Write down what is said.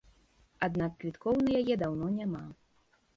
Аднак квіткоў на яе даўно няма.